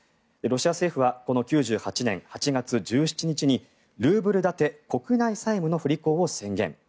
ロシア政府はこの９８年８月１７日にルーブル建て国内債務の不履行を宣言。